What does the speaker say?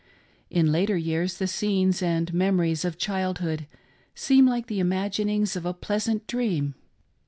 In later years the scenes and memories of childhood seem like the imaginings of a pleasant dream.